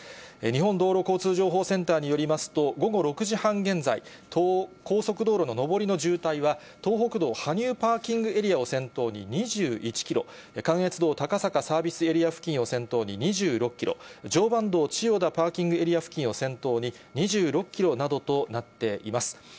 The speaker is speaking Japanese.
日本道路交通情報センターによりますと、午後６時半現在、高速道路の上りの渋滞は、東北道羽生パーキングエリアを先頭に２１キロ、関越道高坂サービスエリア付近を先頭に２６キロ、常磐道千代田パーキングエリア付近を先頭に２６キロなどとなっています。